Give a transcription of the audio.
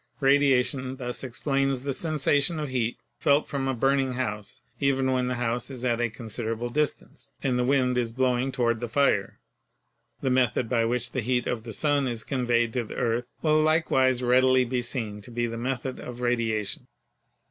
Radiation thus explains the sensation of heat felt from a burning house, even when the house is at a considerable distance and the wind is blowing toward the fire. The method by which the heat of the sun is conveyed to the earth will likewise readily be seen to be the method of radiation.